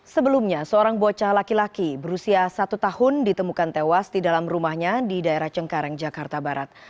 sebelumnya seorang bocah laki laki berusia satu tahun ditemukan tewas di dalam rumahnya di daerah cengkareng jakarta barat